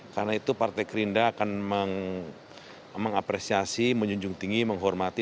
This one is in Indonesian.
karena itu partai gerindra akan mengapresiasi menunjuk tinggi menghormati